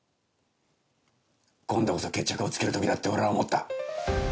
今度こそ決着をつけるときだって俺は思った。